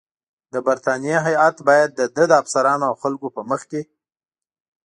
د برټانیې هیات باید د ده د افسرانو او خلکو په مخ کې.